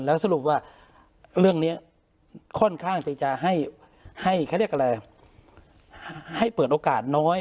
แล้วสรุปว่าเรื่องนี้ค่อนข้างจะให้เปิดโอกาสน้อย